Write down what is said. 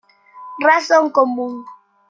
Razón común.